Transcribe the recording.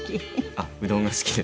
あっうどんが好きです。